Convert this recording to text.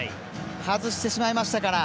外してしまいましたから。